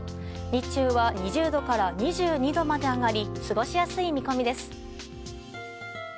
日中は２０度から２２度まで上がり過ごしやすい見込みです。